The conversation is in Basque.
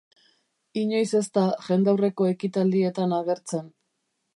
Inoiz ez da jendaurreko ekitaldietan agertzen.